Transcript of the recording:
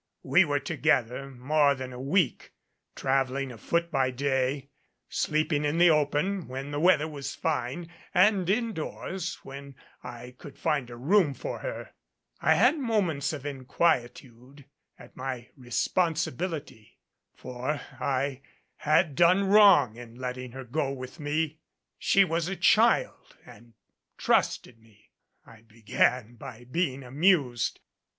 We were together more than a week traveling afoot by day sleeping in the open when the weather was fine and indoors when I could find a room for her. I had moments of inquietude at my responsibility, for I had done wrong in letting her go with me. She was a child and trusted me. I began by being amused.